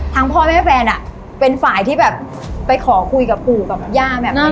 ทางพ่อแม่แฟนอะเป็นฝ่ายที่แบบไปขอคุยกับกูกับย่าแม่แม่แบบเนี้ย